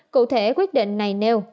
cụ thể quyết định này nêu